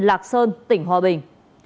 lạc sơn tỉnh hòa bình